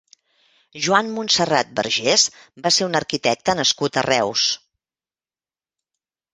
Joan Montserrat Vergés va ser un arquitecte nascut a Reus.